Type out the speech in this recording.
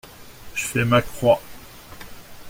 J'fais ma croix.